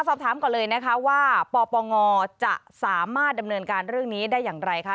สอบถามก่อนเลยนะคะว่าปปงจะสามารถดำเนินการเรื่องนี้ได้อย่างไรคะ